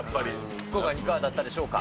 今回、いかがだったでしょう